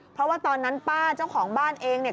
เพราะว่าตอนนั้นป้าเจ้าของบ้านเองเนี่ย